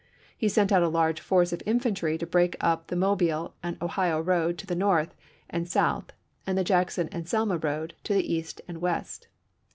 He sent out a large force of infantry to break up the Mobile and Ohio road to the north and south and the Jackson and Selma road to the east and west.